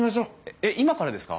えっ今からですか？